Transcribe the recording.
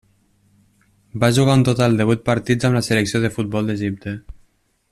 Va jugar un total de vuit partits amb la selecció de futbol d'Egipte.